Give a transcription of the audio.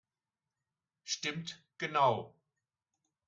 Stimmt genau!